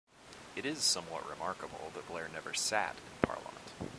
It is somewhat remarkable that Blair never sat in parliament.